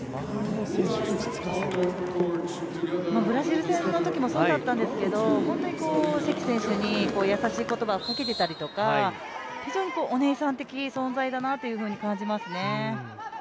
ブラジル戦のときもそうだったんですけれども、本当、関選手に優しい言葉をかけてたりとか非常にお姉さん的な存在だなと感じますね。